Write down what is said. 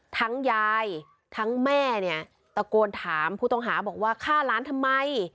ยายทั้งแม่เนี่ยตะโกนถามผู้ต้องหาบอกว่าฆ่าหลานทำไม